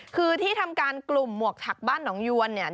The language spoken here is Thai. คือที่ทำการกลุ่มหมวกถักบ้านหนองยวนเนี่ย